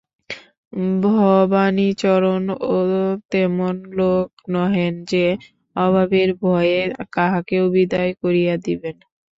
ভবানীচরণও তেমন লোক নহেন যে, অভাবের ভয়ে কাহাকেও বিদায় করিয়া দিবেন।